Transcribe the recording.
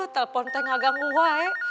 telepon tuh gak ganggu gue